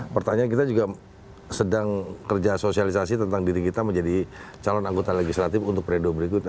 pertanyaan kita juga sedang kerja sosialisasi tentang diri kita menjadi calon anggota legislatif untuk periode berikutnya